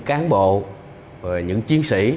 cán bộ những chiến sĩ